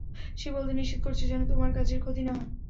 সে বলতে নিষেধ করেছে, যেন, তোমার কাজের ক্ষতি না হয়!